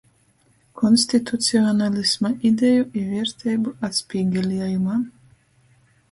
Konstitucionalisma ideju i vierteibu atspīgeliejumā.